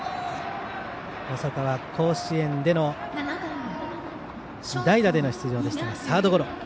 細川は甲子園での代打での出場でしたがサードゴロ。